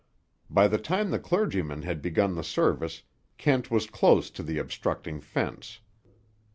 By the time the clergyman had begun the service Kent was close to the obstructing fence.